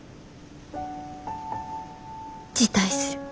辞退する。